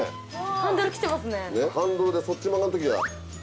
ハンドルでそっち曲がる時は。